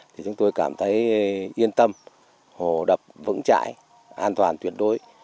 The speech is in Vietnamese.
thì chúng tôi cảm thấy yên tâm hồ đập vững chãi an toàn tuyệt đối